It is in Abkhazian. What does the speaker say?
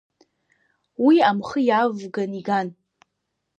Уи амхы иавган иган.